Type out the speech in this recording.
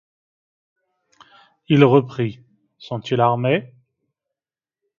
Il reprit: — Sont-ils armés?